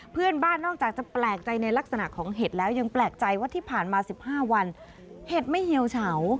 เพื่อนบ้านนอกจากจะแปลกใจในลักษณะของเห็ดแล้วยังแปลกใจว่าที่ผ่านมา๑๕วันเห็ดไม่เหี่ยวเฉา